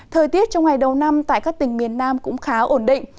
thời tiết trong ngày đầu năm tại các tỉnh miền nam cũng khá ổn định